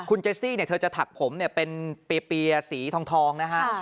คุณเจสซี่เนี้ยเธอจะถักผมเนี้ยเป็นเปรียบเปรียสีทองทองนะฮะค่ะ